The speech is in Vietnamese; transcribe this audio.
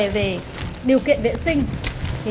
về điều kiện vệ sinh